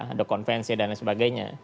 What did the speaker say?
ada konvensi dan sebagainya